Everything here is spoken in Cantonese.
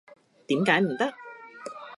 點解唔得？